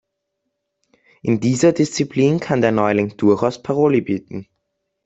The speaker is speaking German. In dieser Disziplin kann der Neuling durchaus Paroli bieten.